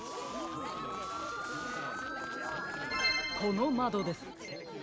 このまどです。